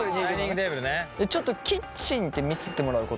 ちょっとキッチンって見せてもらうこと可能？